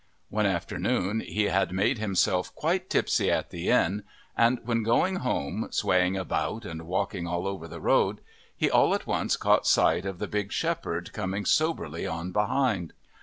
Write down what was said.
One afternoon he had made himself quite tipsy at the inn, and when going home, swaying about and walking all over the road, he all at once caught sight of the big shepherd coming soberly on behind.